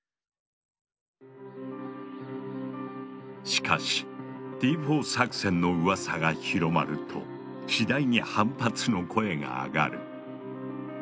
しかしＴ４作戦のうわさが広まると次第に反発の声が上がる。